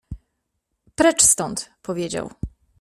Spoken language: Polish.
Precz stąd — powiedział.